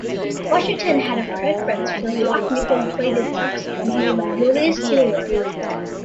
Washington had a preference for black nickel-plated saxophones made by Julius Keilwerth.